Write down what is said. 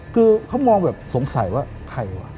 คือเขามองแบบสงสัยว่าใครวะ